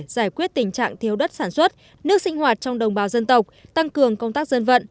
giải quyết tình trạng thiếu đất sản xuất nước sinh hoạt trong đồng bào dân tộc tăng cường công tác dân vận